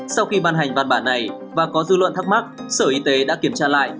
sau khi văn bản phát hành và có dư luận thắc mắc sở y tế đã kiểm tra lại